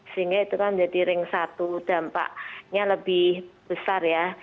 sehingga itu kan jadi ring satu dampaknya lebih besar ya